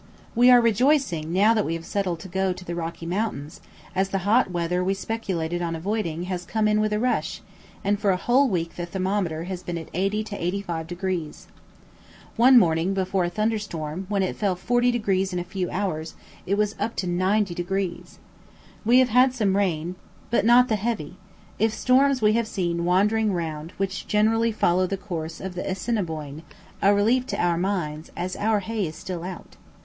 We are rejoicing now that we have settled to go to the Rocky Mountains, as the hot weather we speculated on avoiding has come in with a rush, and for a whole week the thermometer has been at 80 to 85 degrees. One morning before a thunder storm, when it fell forty degrees in a few hours, it was up to 90 degrees. We have had some rain, but not the heavy if storms we have seen wandering round which generally follow the course of the Assiniboine a relief to our minds, as our hay is still out.